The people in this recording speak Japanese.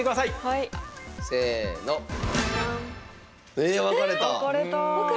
え分かれた。